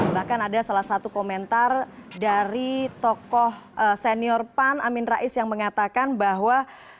bahkan ada salah satu komentar dari tokoh senior pan amin rais yang mengatakan bahwa